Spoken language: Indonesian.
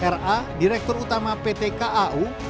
ra direktur utama pt kau